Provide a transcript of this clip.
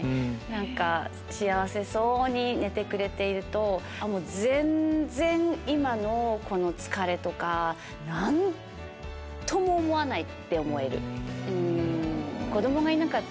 何か幸せそうに寝てくれているともう全然今のこの疲れとか何とも思わない！って思える。